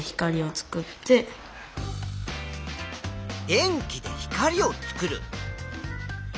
「電気で光を作る」。